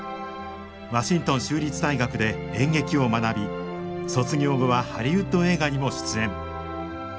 ワシントン州立大学で演劇を学び卒業後はハリウッド映画にも出演。